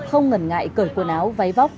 không ngần ngại cởi quần áo váy vóc